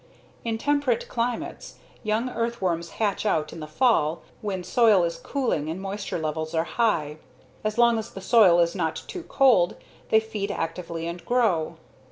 In temperate climates, young earthworms hatch out in the fall when soil is cooling and moisture levels are high. As long as the soil is not too cold they feed actively and grow.